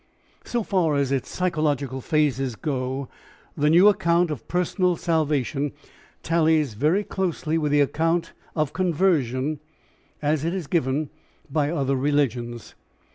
So far as its psychological phases go the new account of personal salvation tallies very closely with the account of "conversion" as it is given by other religions.